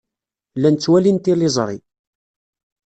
Llan ttwalin tiliẓri.